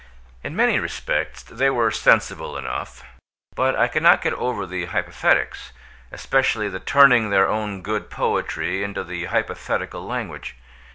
In many respects they were sensible enough, but I could not get over the hypothetics, especially the turning their own good poetry into the hypothetical language.